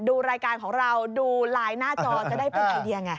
ดูรายการของเราดูไลน์หน้าจอจะได้เป็นไอเดียไง